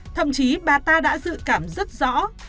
thậm chí bà ta đã dự cảm rất rõ